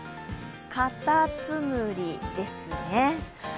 かたつむりですね。